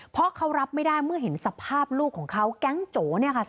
เพราะเขารับไม่ได้เมื่อเห็นสภาพลูกของเขาแก๊งโจ๋เนี่ยค่ะ